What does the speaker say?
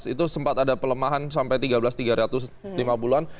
dua ribu tujuh belas itu sempat ada pelemahan sampai tiga belas tiga ratus lima puluh an